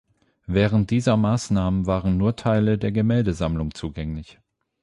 Während dieser Maßnahmen waren nur Teile der Gemäldesammlung zugänglich.